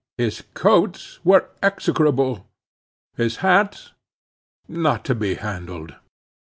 His coats were execrable; his hat not to be handled.